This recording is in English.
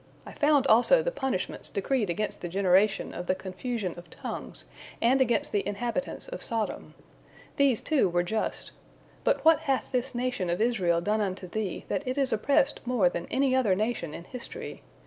I found also the punishments decreed against the generation of the confusion of tongues, and against the inhabitants of Sodom. These, too, were just. But what hath this nation of Israel done unto Thee, that it is oppressed more than any other nation in history?